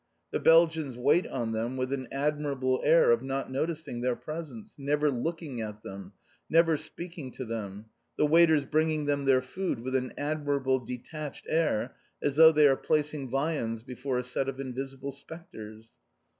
The Belgians wait on them with an admirable air of not noticing their presence, never looking at them, never speaking to them, the waiters bringing them their food with an admirable detached air as though they are placing viands before a set of invisible spectres.